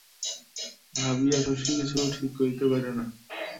ভাবিয়া শশী কিছু ঠিক করিতে পারে না।